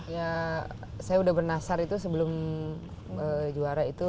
ya saya udah bernasar itu sebelum juara itu